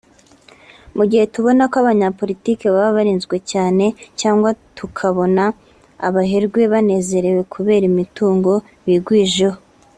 Mu gihe tubona ko abanyapolitke baba barinzwe cyane cg tukabona ko abaherwe banezerewe kubera imitungo bigwijeho